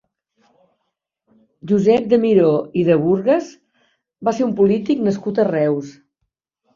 Josep de Miró i de Burgues va ser un polític nascut a Reus.